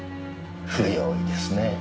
不用意ですね。